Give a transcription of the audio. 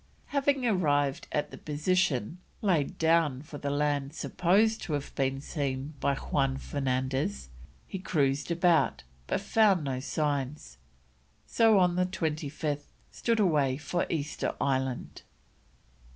Having arrived at the position laid down for the land supposed to have been seen by Juan Fernandez, he cruised about but found no signs, so on the 25th stood away for Easter Island.